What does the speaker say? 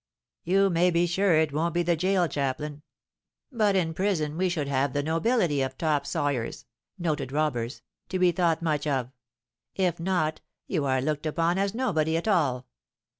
"You may be sure it won't be the gaol chaplain. But in prison we should have the nobility of top sawyers (noted robbers) to be thought much of; if not, you are looked upon as nobody at all.